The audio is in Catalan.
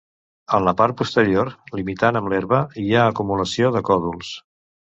En la part posterior, limitant amb l'herba, hi ha acumulació de còdols.